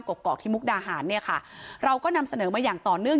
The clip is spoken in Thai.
กกอกที่มุกดาหารเนี่ยค่ะเราก็นำเสนอมาอย่างต่อเนื่อง